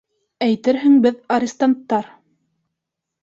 Әйтерһең, беҙ арестанттар.